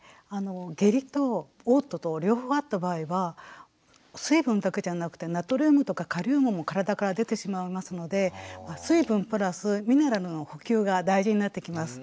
下痢とおう吐と両方あった場合は水分だけじゃなくてナトリウムとかカリウムも体から出てしまいますので水分プラスミネラルの補給が大事になってきます。